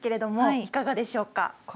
いかがでしょう。